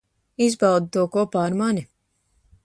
Izbaudi to kopā ar mani.